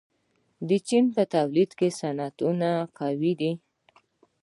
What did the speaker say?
چین په تولیدي صنعتونو کې قوي دی.